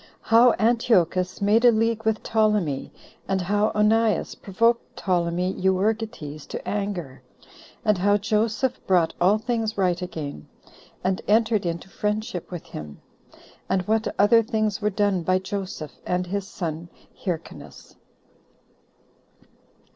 How Antiochus Made A League With Ptolemy And How Onias Provoked Ptolemy Euergetes To Anger; And How Joseph Brought All Things Right Again, And Entered Into Friendship With Him; And What Other Things Were Done By Joseph, And His Son Hyrcanus.